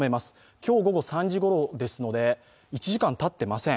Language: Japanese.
今日午後３時ごろですので１時間たっていません。